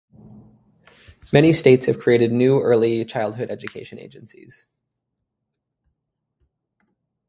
Many states have created new early childhood education agencies.